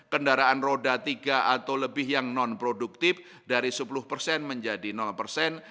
kendaraan roda tiga atau lebih yang non produktif dari sepuluh persen menjadi persen